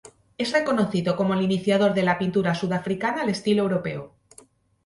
Es reconocido como el iniciador de la pintura sudafricana al estilo europeo.